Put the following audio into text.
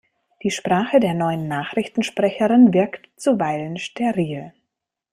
Die Sprache der neuen Nachrichtensprecherin wirkt zuweilen steril.